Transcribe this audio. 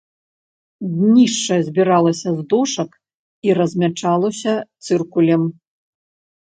Днішча збіралася з дошак і размячалася цыркулем.